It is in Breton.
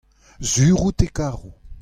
sur out e karo.